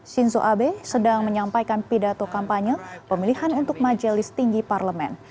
shinzo abe sedang menyampaikan pidato kampanye pemilihan untuk majelis tinggi parlemen